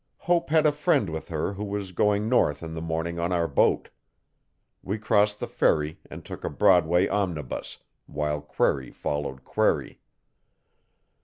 Hope had a friend with her who was going north in the morning on our boat. We crossed the ferry and took a Broadway omnibus, while query followed query.